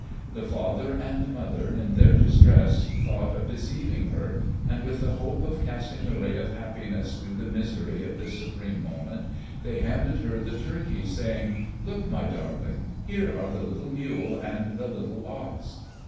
The father and mother, in their distress, thought of deceiving her; and with the hope of casting a ray of happiness through the misery of this supreme moment they handed her the turkeys, saying, "Look, my darling, here are the little mule and the little ox."